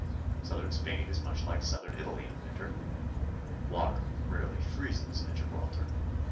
South ern Spain is much like Southern Italy in winter. Water rarely freezes at Gibraltar.